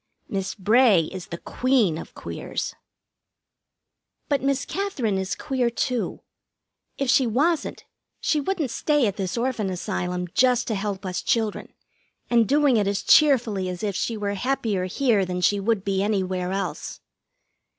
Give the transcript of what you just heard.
Miss Bray is the Queen of Queers. But Miss Katherine is queer, too. If she wasn't, she wouldn't stay at this Orphan Asylum, just to help us children, and doing it as cheerfully as if she were happier here than she would be anywhere else.